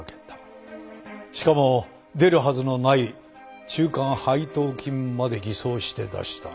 しかも出るはずのない中間配当金まで偽装して出した。